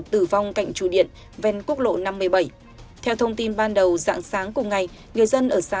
tử vong cạnh trụ điện ven quốc lộ năm mươi bảy theo thông tin ban đầu dạng sáng cùng ngày người dân ở xã